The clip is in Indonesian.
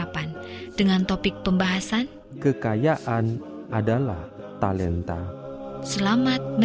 pada engkau juru selamat